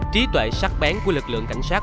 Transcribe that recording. trí tuệ sát bén của lực lượng cảnh sát